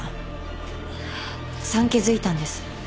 産気づいたんです。